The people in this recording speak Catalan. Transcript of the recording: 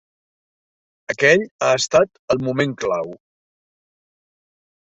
Aquell ha estat el moment clau.